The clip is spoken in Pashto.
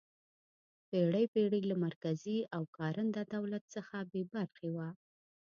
پېړۍ پېړۍ له مرکزي او کارنده دولت څخه بې برخې وه.